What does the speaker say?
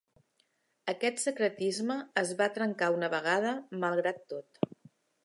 Aquest secretisme es va trencar una vegada, malgrat tot.